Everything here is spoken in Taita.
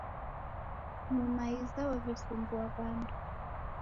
Mumaiza wawesumbua wandu